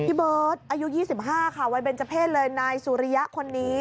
เบิร์ตอายุ๒๕ค่ะวัยเบนเจอร์เพศเลยนายสุริยะคนนี้